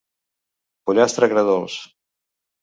Pollastre agredolç.